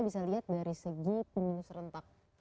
segi pemilu serentak